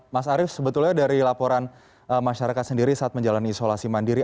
mas arief sebetulnya dari laporan masyarakat sendiri saat menjalani isolasi mandiri